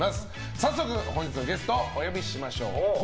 早速、本日のゲストお呼びしましょう。